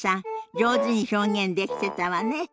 上手に表現できてたわね。